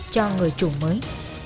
cho người chủ mới